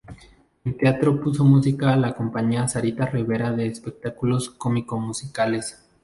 En teatro puso música a la Compañía Sarita Rivera de Espectáculos Cómico-Musicales.